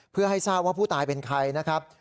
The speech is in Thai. เพื่อให้ทราบว่าผู้ตายเป็นใครนะครับ